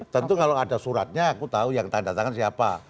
tentu kalau ada suratnya aku tahu yang tanda tangan siapa